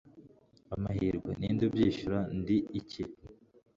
amahirwe. ninde ubyishyura. ndi iki